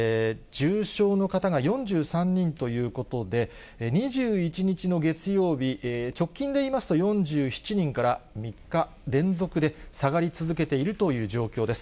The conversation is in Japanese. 重症の方が４３人ということで、２１日の月曜日、直近で言いますと、４７人から３日連続で下がり続けているという状況です。